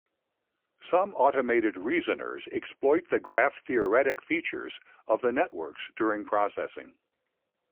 Some automated reasoners exploit the graph-theoretic features of the networks during processing.